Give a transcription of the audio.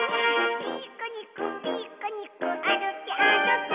「ピクニックピクニックあるけあるけ」